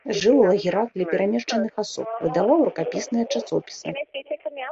Жыў у лагерах для перамешчаных асоб, выдаваў рукапісныя часопісы.